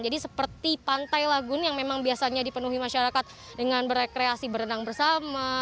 jadi seperti pantai lagun yang memang biasanya dipenuhi masyarakat dengan berekreasi berenang bersama